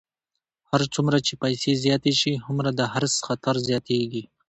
هر څومره چې پیسې زیاتې شي، هومره د حرص خطر زیاتېږي.